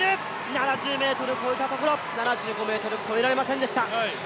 ７０ｍ越えたところ、７５ｍ越えられませんでした。